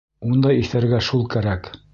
Ундай иҫәргә шул кәрәк.